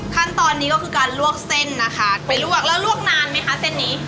ขั้นตอนนี้ก็คือการลวกเส้นนะคะไปลวกแล้วลวกนานไหมคะเส้นนี้